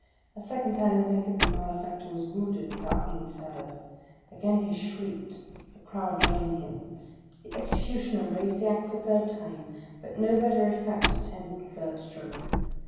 A second time, the neck of the male factor was wounded, without being severed. Again he shrieked, the crowd joining him. The Executioner raised the axe a third time, but no better effect attended the third stroke.